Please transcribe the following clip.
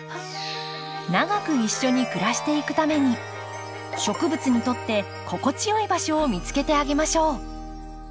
長く一緒に暮らしていくために植物にとって心地よい場所を見つけてあげましょう。